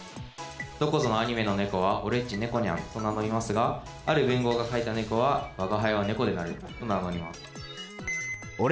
どこぞのアニメの猫は「オレっち、猫ニャン！」と名乗りますがある文豪が書いた猫は「吾輩は猫である」と名乗ります。